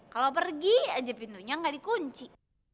kalau pergi aja pintunya nggak dikunci